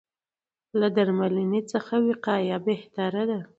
له درملنې څخه وقایه بهتره ده.